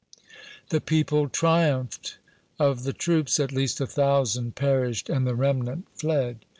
The people triumphed! Of the troops, at least a thousand perished, and the remnant fled.